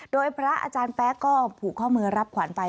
โดยพระอาจารย์แป๊กก็ผูกข้อมือรับขวัญไป